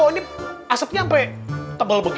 kok ini asapnya sampai tebal begini bau lagi